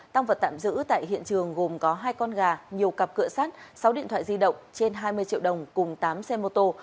tăng vật tạm giữ tại hiện trường gồm có hai con gà nhiều cặp cửa sát sáu điện thoại di động trên hai mươi triệu đồng cùng tám xe mô tô